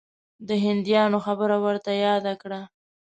د هندیانو خبره ورته یاده کړه.